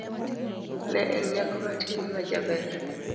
Ne en nyako matin majaber.